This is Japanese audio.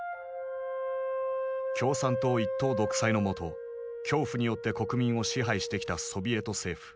共産党一党独裁の下恐怖によって国民を支配してきたソビエト政府。